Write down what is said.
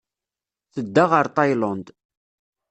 Tedda ɣer Tayland.